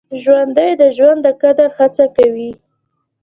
ژوندي د ژوند د قدر هڅه کوي